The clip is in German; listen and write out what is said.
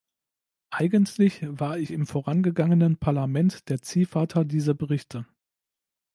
Eigentlich war ich im vorangegangenen Parlament der Ziehvater dieser Berichte.